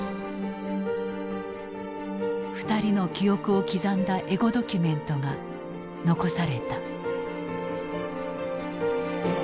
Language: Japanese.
２人の記憶を刻んだエゴドキュメントが残された。